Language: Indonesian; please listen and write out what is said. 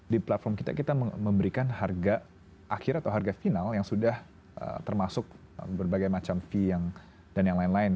di platform kita kita memberikan harga akhir atau harga final yang sudah termasuk berbagai macam fee dan yang lain lain